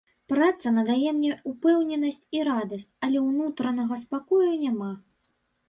Праца надае мне упэўненасць і радасць, але ўнутранага спакою няма.